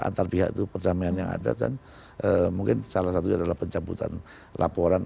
antar pihak itu perdamaian yang ada dan mungkin salah satunya adalah pencabutan laporan